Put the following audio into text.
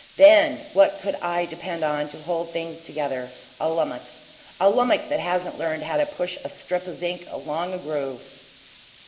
THEN what could I depend on to hold things together? A lummix! A lummix that hasn't learned how to push a strip o' zinc along a groove!"